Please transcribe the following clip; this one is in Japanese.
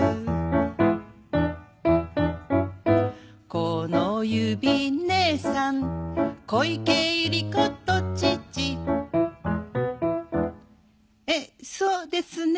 「このゆびねえさん小池百合子都知事」えっそうですね。